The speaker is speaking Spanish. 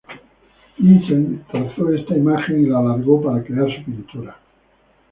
Vincent trazó esta imagen y la alargó para crear su pintura.